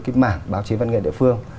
cái mảng báo chí văn nghệ địa phương